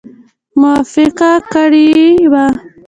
موافقه کړې وه.